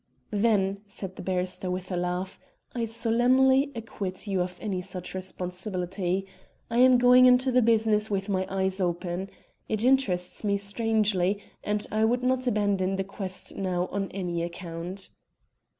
"Then," said the barrister, with a laugh, "I solemnly acquit you of any such responsibility. I am going into the business with my eyes open. It interests me strangely, and I would not abandon the quest now on any account."